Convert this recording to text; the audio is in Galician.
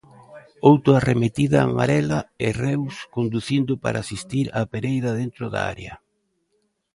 Outra arremetida amarela e Reus conducindo para asistir a Pereira dentro da área.